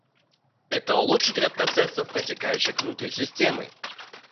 Это улучшит ряд процессов, протекающих внутри системы